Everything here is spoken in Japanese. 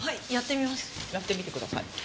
やってみてください。